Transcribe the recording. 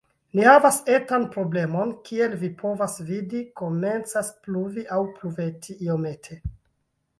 Ni havas etan problemon. Kiel vi povas vidi, komencas pluvi, aŭ pluveti, iomete.